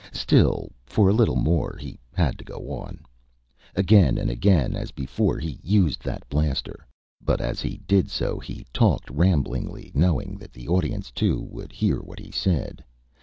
Still, for a little more, he had to go on. Again and again, as before, he used that blaster. But, as he did so, he talked, ramblingly, knowing that the audience, too, would hear what he said.